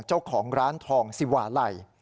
เจ้าของร้านทองสิวาลัย